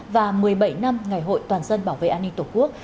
và một mươi bảy năm ngày hội toàn dân bảo vệ an ninh tổ quốc